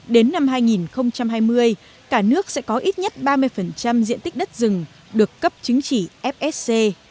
đến năm hai nghìn hai mươi cả nước sẽ có ít nhất ba mươi diện tích đất rừng được cấp chứng chỉ fsc